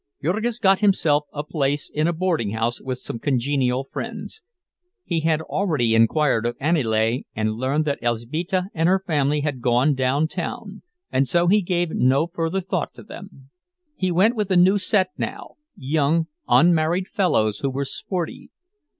Jurgis got himself a place in a boardinghouse with some congenial friends. He had already inquired of Aniele, and learned that Elzbieta and her family had gone downtown, and so he gave no further thought to them. He went with a new set, now, young unmarried fellows who were "sporty."